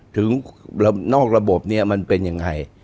นอกระบบเนี่ยมันเป็นยังไง